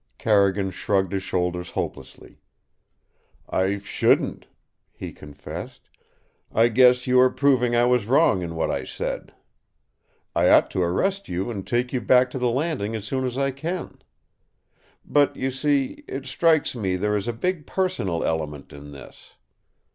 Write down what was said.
Carrigan shrugged his shoulders hopelessly. "I shouldn't," he confessed. "I guess you are proving I was wrong in what I said. I ought to arrest you and take you back to the Landing as soon as I can. But, you see, it strikes me there is a big personal element in this.